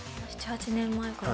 ７、８年前から。